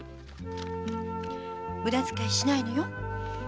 無駄づかいしないのよ。